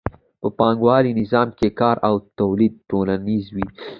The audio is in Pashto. په پانګوالي نظام کې کار او تولید ټولنیز وي